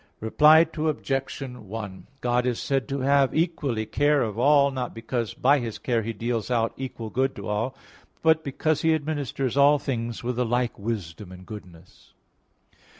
Reply Obj. 1: God is said to have equally care of all, not because by His care He deals out equal good to all, but because He administers all things with a like wisdom and goodness.